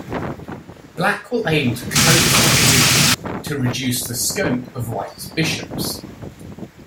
Black will aim to close the position to reduce the scope of White's bishops.